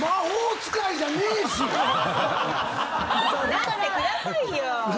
なってくださいよ！